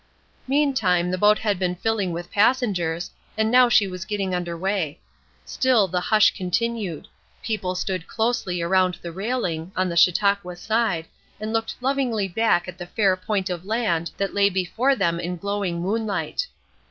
Meantime the boat had been filling with passengers, and now she was getting under way. Still the hush continued; the people stood closely around the railing, on the Chautauqua side, and looked lovingly back at the fair point of land that lay before them in glowing moonlight.